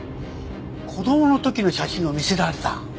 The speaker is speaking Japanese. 子供の時の写真を見せられた。